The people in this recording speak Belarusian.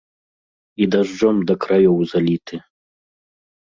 І дажджом да краёў заліты.